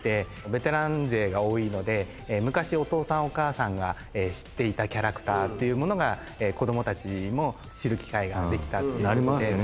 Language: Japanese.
ベテラン勢が多いので昔お父さんお母さんが知っていたキャラクターってものが子供たちも知る機会ができたっていうことで。